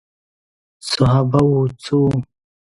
صحابه وو څخه وو.